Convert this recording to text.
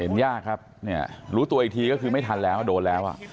เห็นยากครับรู้ตัวอีกทีก็คือไม่ทันแล้วโดนแล้ว